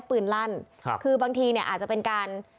ปืนลั่นครับคือบางทีเนี่ยอาจจะเป็นการ